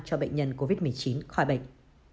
cho bệnh nhân covid một mươi chín khỏi bệnh